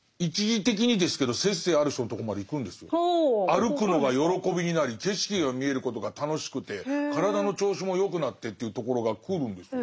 歩くのが喜びになり景色が見えることが楽しくて体の調子も良くなってというところがくるんですよ。